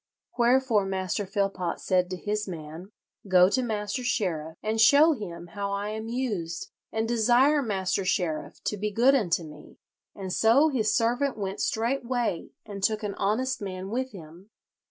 Wherefore Master Philpot said to his man, 'Go to Master Sheriff, and show him how I am used, and desire Master Sheriff to be good unto me;' and so his servant went straightway and took an honest man with him.